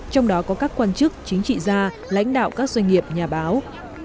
trong đó có các quan chức chính trị gia lãnh đạo các doanh nghiệp nhà báo